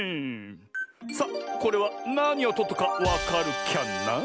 さあこれはなにをとったかわかるキャな？